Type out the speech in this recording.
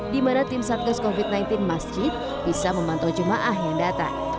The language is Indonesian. di mana tim satgas covid sembilan belas masjid bisa memantau jemaah yang datang